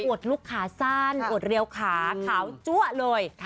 วดลูกขาสั้นอวดเรียวขาขาวจั๊วเลย